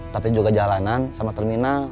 tapi juga jalanan sama terminal